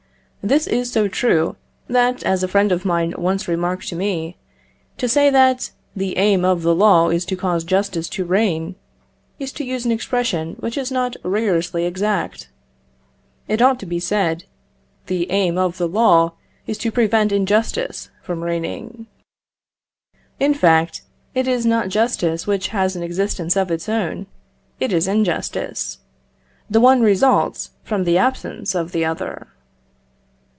This is so true that, as a friend of mine once remarked to me, to say that the aim of the law is to cause justice to reign, is to use an expression which is not rigorously exact. It ought to be said, the aim of the law is to prevent injustice from reigning. In fact, it is not justice which has an existence of its own, it is injustice. The one results from the absence of the other.